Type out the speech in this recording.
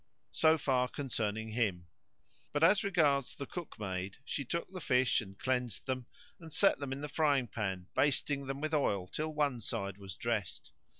So far concerning him; but as regards the cookmaid, she took the fish and cleansed them and set them in the frying pan, basting them with oil till one side was dressed.